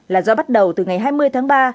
là do bắt đầu từ ngày hai mươi tháng ba